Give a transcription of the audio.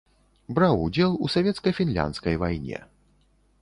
Браў удзел у савецка-фінляндскай вайне.